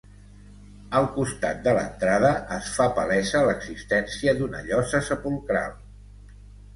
Al costat de l'entrada es fa palesa l'existència d'una llosa sepulcral.